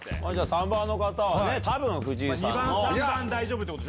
３番の方は多分藤井さん。２番３番大丈夫ってこと。